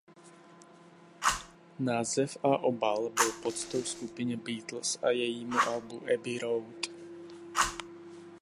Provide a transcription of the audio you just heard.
Název a obal byl poctou skupině Beatles a jejímu albu Abbey Road.